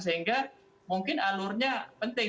sehingga mungkin alurnya penting